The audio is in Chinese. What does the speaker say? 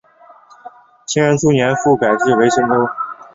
干元初年复改置为深州。